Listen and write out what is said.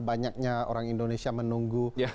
banyaknya orang indonesia menunggu